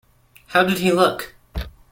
How did he look?